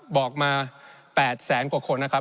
บอกมา๘แสนกว่าคนนะครับ